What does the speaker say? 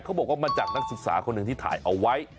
เขาบอกว่ามาจากนักศึกษาคนหนึ่งที่ถ่ายเอาไว้